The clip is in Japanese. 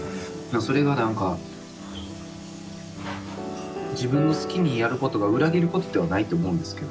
それが何か自分の好きにやることが裏切ることではないと思うんですけど。